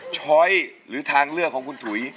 ช้อยหรือทางเลือกของคุณถุย